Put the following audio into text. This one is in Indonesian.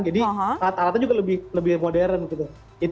jadi alat alatnya juga lebih modern gitu